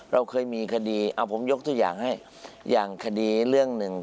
เราเคยมีคดีเอาผมยกตัวอย่างให้อย่างคดีเรื่องหนึ่ง